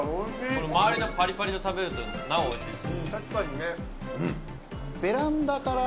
これ周りのパリパリの食べるとなお美味しいです・